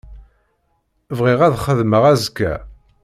Bɣiɣ ad xedmeɣ azekka.